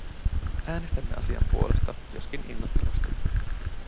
Äänestämme asian puolesta, joskin innottomasti.